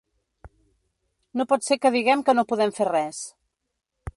No pot ser que diguem que no podem fer res.